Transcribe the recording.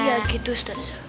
iya gitu ustazah